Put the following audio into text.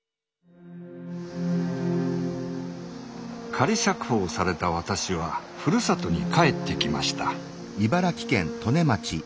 仮釈放された私はふるさとに帰ってきました。